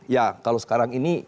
ya kalau sekarang ini